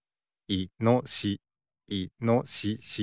いのしし。